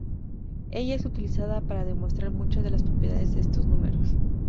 Ella es utilizada para demostrar muchas de las propiedades de estos números.